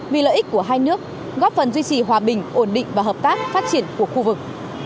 vì lợi ích của hai nước góp phần duy trì hòa bình ổn định và hợp tác phát triển của khu vực